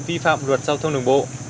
vi phạm luật giao thông đường bộ